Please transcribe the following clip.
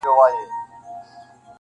• د زندان به مي نن شل کاله پوره وای -